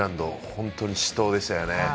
本当に死闘でしたよね。